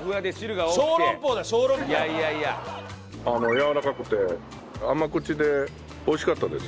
やわらかくて甘口でおいしかったです。